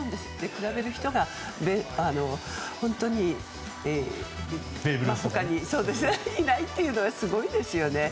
比べる人が本当にいないというのがすごいですよね。